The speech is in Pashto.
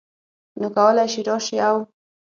نو کولی شې راشې او